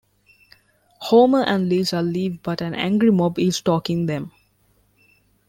Homer and Lisa leave but an angry mob is stalking them.